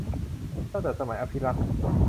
ตั้งแต่สมัยอภิรักษ์